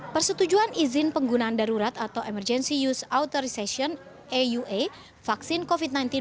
persetujuan izin penggunaan darurat atau emergency use authorization aua vaksin covid sembilan belas